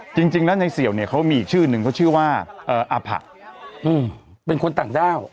จริงแล้วในเสี่ยวเนี่ยเขามีอีกชื่อนึงเขาชื่อว่าอาผะเป็นคนต่างด้าว